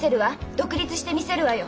独立してみせるわよ！